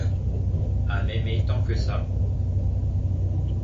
à m’aimer tant que ça ?